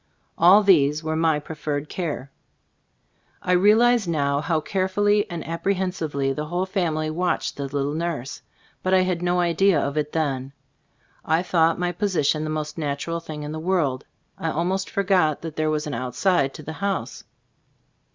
All these were my preferred care. 84 Cbc Stotg of As CbtlDboofc I realize now how carefully and apprehensively the whole family watched the little nurse, but I had no idea of it then. I thought my posi tion the most natural thing in the world ; I almost forgot that there was an outside to the house.